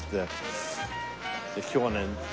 今日はね